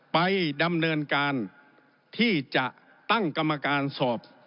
ไปดำเนินการที่จะตั้งกรรมการสอบ